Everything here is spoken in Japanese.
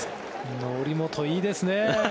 則本、いいですね。